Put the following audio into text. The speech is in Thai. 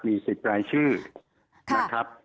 มี๑๐รายชื่อนะครับ